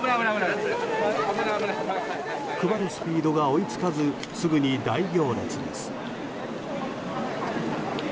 配るスピードが追い付かずすぐに大行列です。